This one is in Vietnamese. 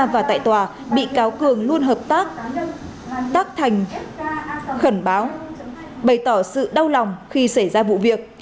và tại tòa bị cáo cường luôn hợp tác tác thành khẩn báo bày tỏ sự đau lòng khi xảy ra vụ việc